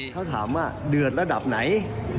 เขาถามว่าเดือดระดับไหน